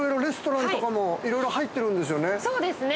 ◆そうですね。